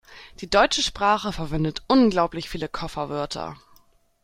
Die deutsche Sprache verwendet unglaublich viele Kofferwörter.